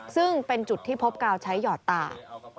ซึ่งเป็นจุดที่พบกาวใช้หยอดตา